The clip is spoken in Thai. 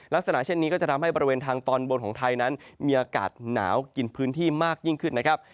ลักษณะเช่นนี้ก็จะทำให้บริเวณทางตอนบนของไทยนั้นมีอากาศหนาวกินพื้นที่มากยิ่งขึ้นนะครับ